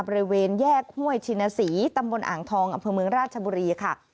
บริเวณแยกห้วยชินศรีตำบลอ่างทองอำเภอเมืองราชบุรีค่ะ